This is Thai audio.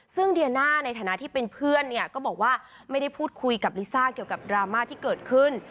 ซึ่งเดียน่าในฐานะที่เป็นเพื่อนเนี่ยก็บอกว่าไม่ได้พูดคุยกับลิซ่าเกี่ยวกับดราม่าที่เกิดขึ้น